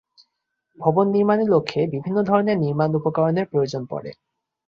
ভবন নির্মাণের লক্ষ্যে বিভিন্ন ধরনের নির্মাণ উপকরণের প্রয়োজন পড়ে।